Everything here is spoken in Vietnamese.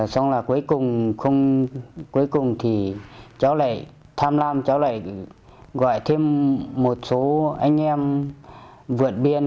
xong rồi cuối cùng cháu lại tham lam cháu lại gọi thêm một số anh em vượt biên